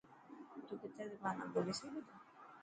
تو ڪتي زبانا ٻولي سگھي ٿو.